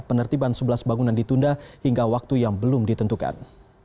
penertiban sebelas bangunan ditunda hingga waktu yang belum ditentukan